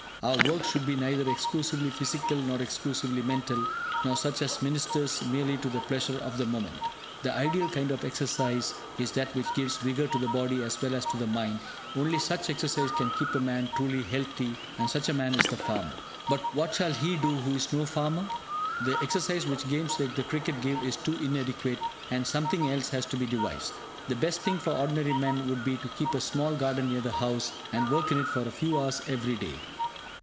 Our work should be neither exclusively physical nor exclusively mental, nor such as ministers merely to the pleasure of the moment. The ideal kind of exercise is that which gives vigour to the body as well as to the mind; only such exercise can keep a man truly healthy, and such a man is the farmer. But what shall he do who is no farmer? The exercise which games like the cricket give is too inadequate, and something else has to be devised. The best thing for ordinary men would be to keep a small garden near the house, and work in it for a few hours every day.